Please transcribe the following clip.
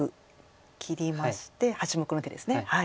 切りまして８目の手ですね。